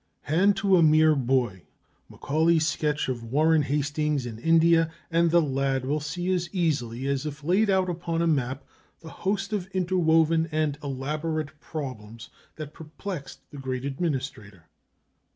Hand to a mere boy Macaulay's sketch of Warren Hastings in India, and the lad will see as easily as if laid out upon a map the host of interwoven and elaborate problems that perplexed the great administrator.